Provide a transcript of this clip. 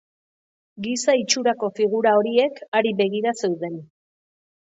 Giza itxurako figura horiek hari begira zeuden.